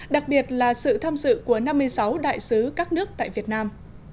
đặc biệt là sự tham dự của năm mươi sáu đại sứ các nước tại việt nam